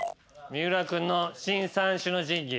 三浦君の新３種の神器。